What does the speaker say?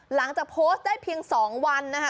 หลังจากโพสต์ได้เพียง๒วันนะคะ